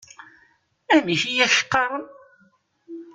Amek i ak-qqaṛen?